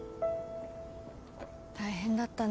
大変だったね。